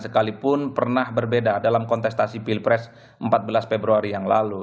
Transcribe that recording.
sekalipun pernah berbeda dalam kontestasi pilpres empat belas februari yang lalu